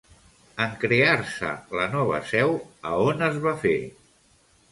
En crear-se la nova seu, a on es va fer?